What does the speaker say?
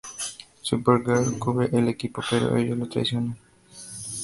Supergirl cubre al equipo, pero ellos la traicionan.